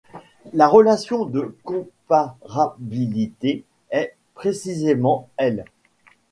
La relation de comparabilité est précisément l'.